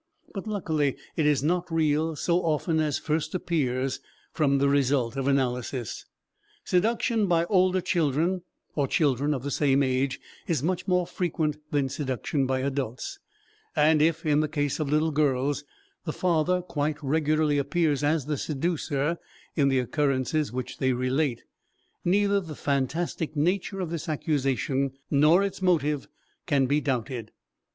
But luckily it is not real so often as first appears from the results of analysis. Seduction by older children, or children of the same age, is much more frequent than seduction by adults, and if, in the case of little girls, the father quite regularly appears as the seducer in the occurrences which they relate, neither the fantastic nature of this accusation nor its motive can be doubted.